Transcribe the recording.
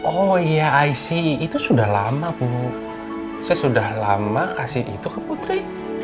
oh iya ic itu sudah lama bu saya sudah lama kasih itu ke putri